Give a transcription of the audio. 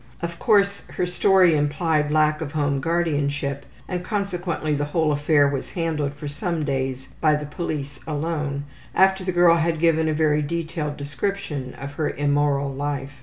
Of course her story implied lack of home guardianship and consequently the whole affair was handled for some days by the police alone, after the girl had given a very detailed description of her immoral life.